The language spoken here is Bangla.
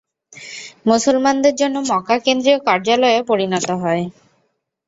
মুসলমানদের জন্য মক্কা কেন্দ্রীয় কার্যালয়ে পরিণত হয়।